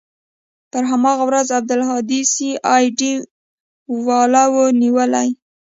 پر هماغه ورځ عبدالهادي سي آى ډي والاو نيولى.